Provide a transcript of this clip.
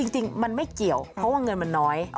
จริงมันไม่เกี่ยวเพราะว่าเงินมันน้อย